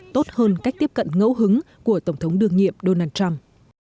tốt hơn cách tiếp cận ngẫu hứng của tổng thống đương nhiệm donald trump